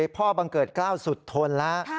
บังเกิดกล้าวสุดทนแล้ว